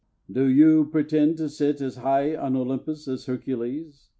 Do you pretend to sit as high on Olympus as Hercules?